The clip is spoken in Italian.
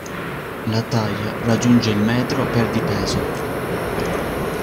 La taglia raggiunge il metro per di peso.